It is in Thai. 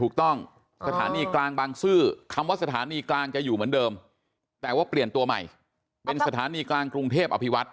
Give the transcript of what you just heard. สถานีกลางบางซื่อคำว่าสถานีกลางจะอยู่เหมือนเดิมแต่ว่าเปลี่ยนตัวใหม่เป็นสถานีกลางกรุงเทพอภิวัต